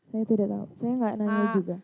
saya tidak tahu saya nggak nanya juga